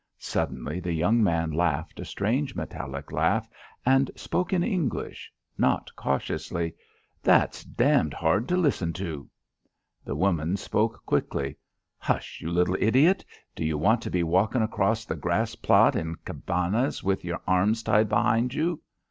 Suddenly the young man laughed a strange metallic laugh and spoke in English, not cautiously. "That's damned hard to listen to." The woman spoke quickly. "Hush, you little idiot. Do you want to be walkin' across that grass plot in Cabanas with your arms tied behind you?"